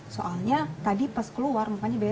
soalnya tadi pas keluar mukanya bete